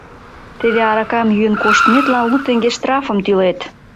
Теве аракам йӱын коштметлан лу теҥге штрафым тӱлет.